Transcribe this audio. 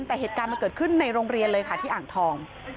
แต่เหตุการณ์มันเกิดขึ้นในโรงเรียนเลยค่ะที่อ่างทอง